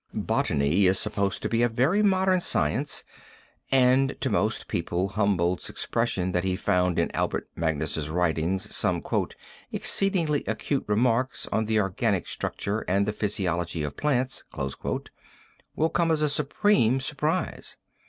Botany is supposed to be a very modern science and to most people Humboldt's expression that he found in Albertus Magnus's writings some "exceedingly acute remarks on the organic structure and physiology of plants" will come as a supreme surprise.